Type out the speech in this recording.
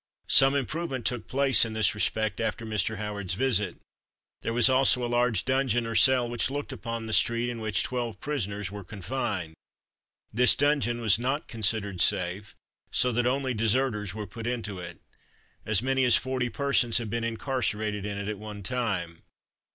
Some improvement took place in this respect after Mr. Howard's visit. There was also a large dungeon or cell which looked upon the street, in which twelve prisoners were confined. This dungeon was not considered safe, so that only deserters were put into it. As many as forty persons have been incarcerated in it at one time.